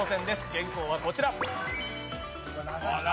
原稿はこちら。